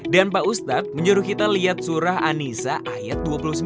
dan pak ustadz menurut kita lihat surah an nisa ayat dua puluh sembilan